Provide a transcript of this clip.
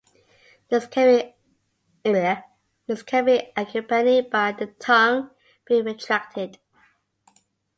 This can be accompanied by the tongue being retracted.